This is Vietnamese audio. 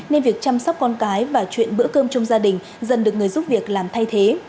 nên việc chăm sóc con cái và chuyện bữa cơm trong gia đình dần được người giúp việc làm thay thế